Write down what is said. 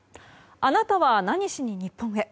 あなたは何しに日本へ。